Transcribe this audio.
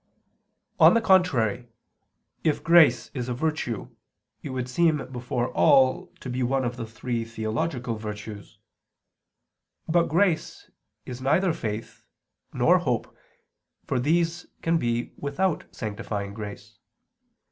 On the contrary, If grace is a virtue, it would seem before all to be one of the three theological virtues. But grace is neither faith nor hope, for these can be without sanctifying grace.